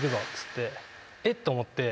「えっ？」と思って。